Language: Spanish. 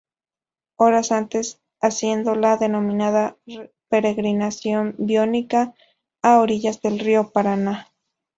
Horas antes haciendo la denominada "peregrinación biónica", a orillas del Río Paraná.